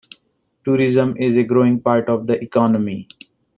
Tourism is a growing part of the economy.